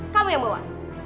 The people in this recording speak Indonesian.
kamu yang bawa